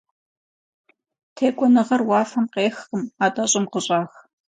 Текӏуэныгъэр уафэм къехкъым, атӏэ щӏым къыщӏах.